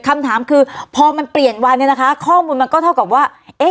คำถามคือพอมันเปลี่ยนวันเนี่ยนะคะข้อมูลมันก็เท่ากับว่า